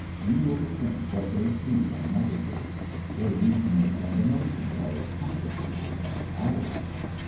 You little think what they see and meditate! Their reasonings and emotions are as complicated as ours.'